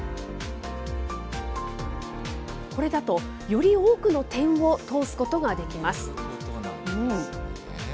これだと、より多くの点を通すことができます。